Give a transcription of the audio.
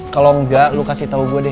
kalau enggak lu kasih tau gue deh